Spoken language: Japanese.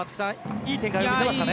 いい展開を見せましたね。